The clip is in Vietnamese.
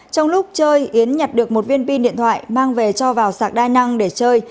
trong lúc chơi yến nhặt được một viên pin điện thoại mang về cho vào sạc đa năng để chơi